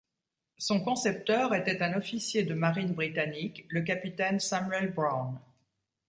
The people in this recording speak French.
Son concepteur était un officier de marine britannique le Captain Samuel Brown.